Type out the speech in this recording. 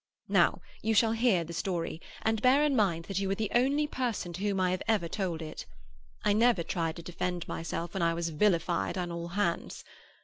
Now you shall hear the story; and bear in mind that you are the only person to whom I have ever told it. I never tried to defend myself when I was vilified on all hands.